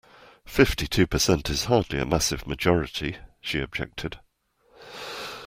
Fifty-two percent is hardly a massive majority, she objected